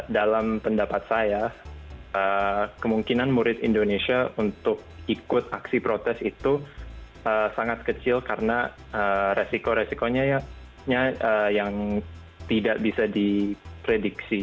dalam pendapat saya kemungkinan murid indonesia untuk ikut aksi protes itu sangat kecil karena resiko resikonya yang tidak bisa diprediksi